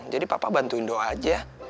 jadi papa bantuin doa aja